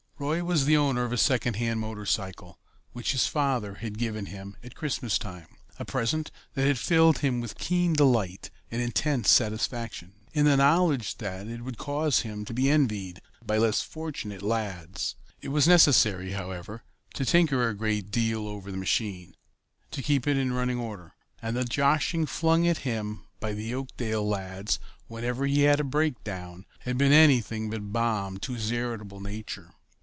Roy was the owner of a second hand motorcycle, which his father had given him at Christmas time, a present that had filled him with keen delight and intense satisfaction, in the knowledge that it would cause him to be envied by less fortunate lads. It was necessary, however, to tinker a great deal over the machine to keep it in running order, and the joshing flung at him by the Oakdale lads whenever he had a breakdown had been anything but balm to his irritable nature.